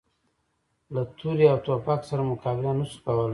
له تورې او توپک سره مقابله نه شو کولای.